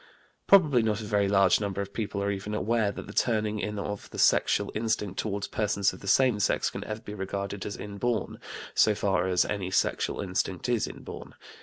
Probably not a very large number of people are even aware that the turning in of the sexual instinct toward persons of the same sex can ever be regarded as inborn, so far as any sexual instinct is inborn.